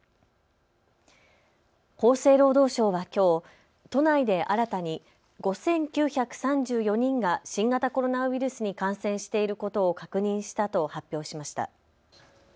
厚生労働省はきょう都内で新たに５９３４人が新型コロナウイルスに感染していることを確認したと発表しました。